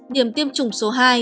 điểm tiêm chủng số hai